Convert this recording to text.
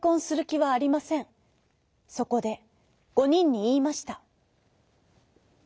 そこで５にんにいいました。